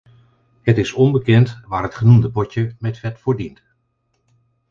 Het is onbekend waar het genoemde potje met vet voor dient.